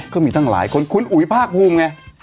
ก็มีตั้งหลายคนคุณอุ๋ยภาคภูมิไง